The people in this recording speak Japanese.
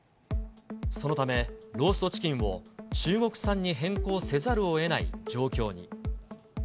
そのため、ローストチキンを中国産に変更せざるをえない状況に。